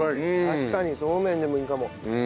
確かにそうめんでもいいかも。